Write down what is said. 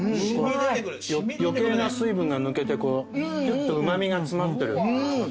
余計な水分が抜けてうま味が詰まってる。